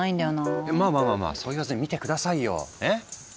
いやまあまあまあまあそう言わずに見て下さいよ。ね？